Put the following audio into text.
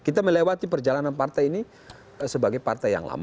kita melewati perjalanan partai ini sebagai partai yang lama